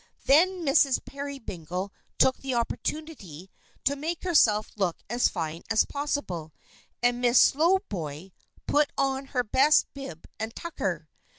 Then Mrs. Peerybingle took the opportunity to make herself look as fine as possible, and Miss Slowboy put on her best bib and tucker.